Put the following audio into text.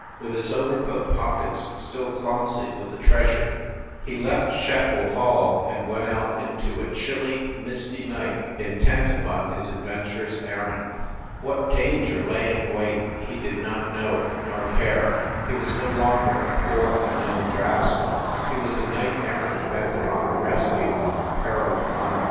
With his overcoat pockets still clumsy with the treasure, he left Scheffel Hall and went out into a chill, misty night, intent upon his adventurous errand. What danger lay in wait he did not know, nor care. He was no longer a poor, unknown draftsman; he was a knight errant bent upon the rescue of imperiled honor.